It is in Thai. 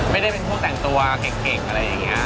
ไม่ได้เป็นพวกแต่งตัวเก่งอะไรอย่างนี้